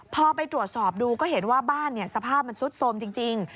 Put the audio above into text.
พอไปตรวจสอบดูก็เห็นว่าบ้านสภาพมันซุดสมจริง